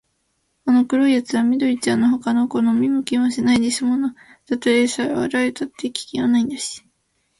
あの黒いやつは緑ちゃんのほかの子は見向きもしないんですもの。たとえさらわれたって、危険はないんだし、